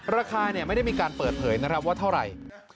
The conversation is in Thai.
ราคาไม่ได้มีการเปิดเผยนะครับว่าเท่าไหร่